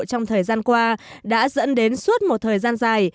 trong thời gian qua đã dẫn đến suốt một thời gian dài